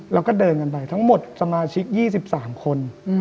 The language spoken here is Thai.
แล้วก็เดินกันไปทั้งหมดสมาชิก๒๓คน